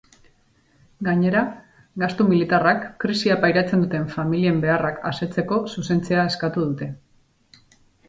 Gainera, gastu militarrak krisia pairatzen duten familien beharrak asetzeko zuzentzea eskatu dute.